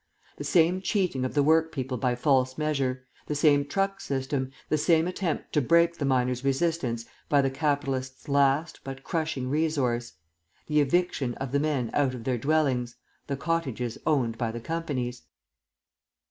The same cheating of the workpeople by false measure; the same truck system; the same attempt to break the miners' resistance by the capitalists' last, but crushing, resource, the eviction of the men out of their dwellings, the cottages owned by the companies.